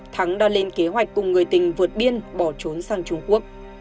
thắng đã lên kế hoạch cùng người tình vượt biên bỏ trốn sang trung quốc